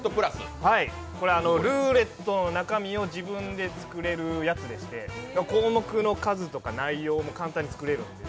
これ、ルーレットの中身を自分で作れるやつでして項目の数とか内容も簡単に作れるんです。